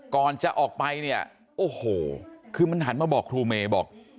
ก่อนจะออกไปเนี่ยโอ้โหคือมันหันมาบอกครูเมย์บอก